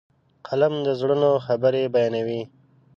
قلم د زړونو خبرې بیانوي.